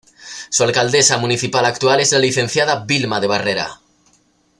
Su alcaldesa municipal actual es la licenciada Vilma de Barrera.